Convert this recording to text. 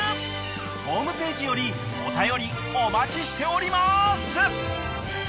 ［ホームページよりお便りお待ちしております］